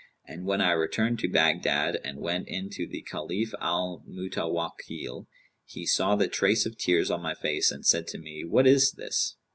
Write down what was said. And when I returned to Baghdad and went in to the Caliph al Mutawakkil, he saw the trace of tears on my face and said to me, 'What is this?'